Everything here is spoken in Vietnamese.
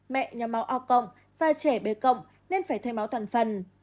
mẹ nhằm máu o và trẻ b nên phải thay máu toàn phần